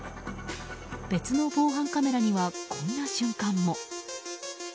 別の防犯カメラにはこんな瞬間も。